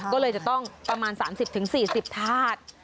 ก็เลยจะต้องประมาณ๓๐๔๐ธาตุ